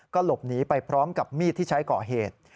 ก็หลบหนีไปพร้อมกับมีดที่ใช้ก่อเหตุ